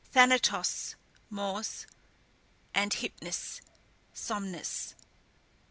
THANATOS (MORS) AND HYPNUS (SOMNUS).